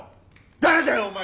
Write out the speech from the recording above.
誰だよお前！